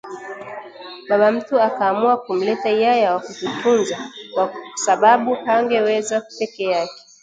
baba mtu akaamua kumleta yaya wa kututunza kwa sababu hangeweza pekee yake